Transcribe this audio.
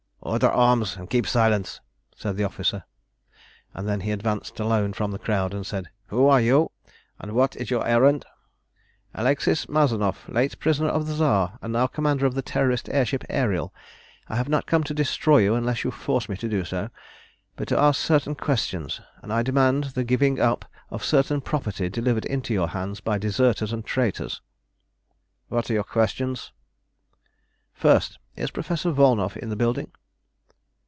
"Order arms, and keep silence!" said the officer, and then he advanced alone from the crowd and said "Who are you, and what is your errand?" "Alexis Mazanoff, late prisoner of the Tsar, and now commander of the Terrorist air ship Ariel. I have not come to destroy you unless you force me to do so, but to ask certain questions, and demand the giving up of certain property delivered into your hands by deserters and traitors." "What are your questions?" "First, is Professor Volnow in the building?"